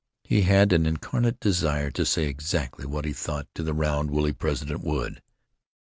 He was an incarnate desire to say exactly what he thought to the round, woolly President Wood.